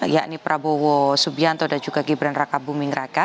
yakni prabowo subianto dan juga gibran raka buming raka